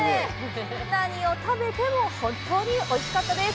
何を食べても本当においしかったです！